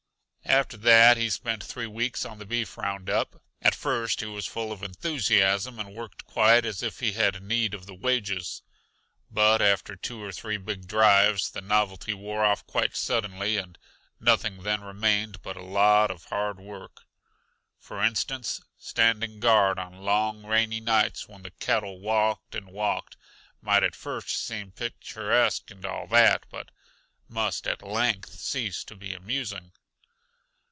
After that he spent three weeks on the beef roundup. At first he was full of enthusiasm, and worked quite as if he had need of the wages, but after two or three big drives the novelty wore off quite suddenly, and nothing then remained but a lot of hard work. For instance, standing guard on long, rainy nights when the cattle walked and walked might at first seem picturesque and all that, but must at length, cease to be amusing.